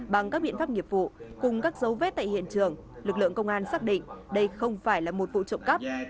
bằng các biện pháp nghiệp vụ cùng các dấu vết tại hiện trường lực lượng công an xác định đây không phải là một vụ trộm cắp